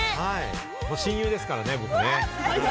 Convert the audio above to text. もう親友ですからね僕ね。